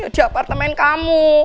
di apartemen kamu